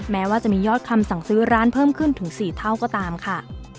แม้ว่าจะมียอดคำสั่งซื้อร้านเพิ่มขึ้นถึง๔เท่าก็ตามค่ะ